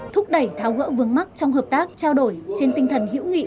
thúc đẩy tháo gỡ vướng mắt trong hợp tác trao đổi trên tinh thần hiểu nghị